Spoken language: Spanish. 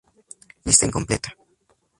Lista incompleta.